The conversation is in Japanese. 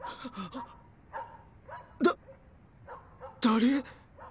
だ誰？